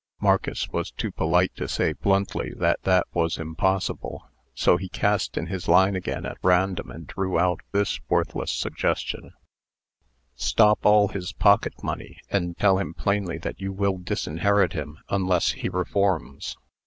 Marcus was too polite to say bluntly that that was impossible; so he cast in his line again at random, and drew out this worthless suggestion: "Stop all his pocket money, and tell him plainly that you will disinherit him unless he reforms."